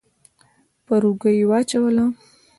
پر اوږه يې واچوله.